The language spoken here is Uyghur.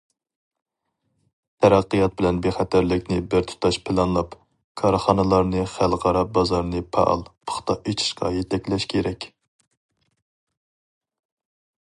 تەرەققىيات بىلەن بىخەتەرلىكنى بىرتۇتاش پىلانلاپ، كارخانىلارنى خەلقئارا بازارنى پائال، پۇختا ئېچىشقا يېتەكلەش كېرەك.